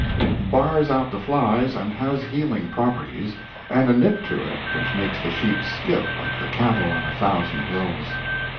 It bars out the flies, and has healing properties, and a nip to it which makes the sheep skip like the cattle on a thousand hills.